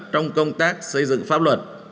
trong công tác xây dựng pháp luật